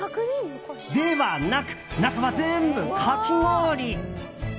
ではなく、中は全部かき氷。